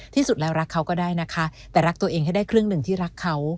ที่สุดแล้วรักเขาก็ได้นะคะแต่รักตัวเองให้ได้ครึ่งหนึ่งที่รักเขา